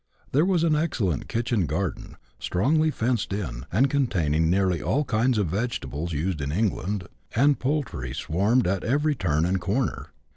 There was an excellent kitchen garden, strongly fenced in, and containing nearly all kinds of vegetables used in England, and poultry swarmed at every turn and corner.